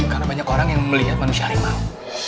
karena banyak orang yang melihat manusia harimau